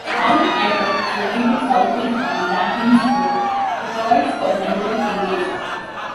Stawell Airport is located southwest on Grampians Road; it provides for general aviation.